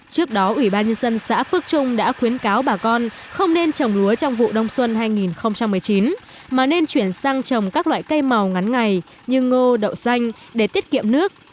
trước đó ủy ban nhân dân xã phước trung đã khuyến cáo bà con không nên trồng lúa trong vụ đông xuân hai nghìn một mươi chín mà nên chuyển sang trồng các loại cây màu ngắn ngày như ngô đậu xanh để tiết kiệm nước